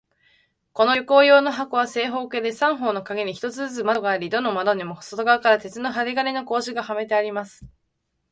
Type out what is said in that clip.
この旅行用の箱は、正方形で、三方の壁に一つずつ窓があり、どの窓にも外側から鉄の針金の格子がはめてあります。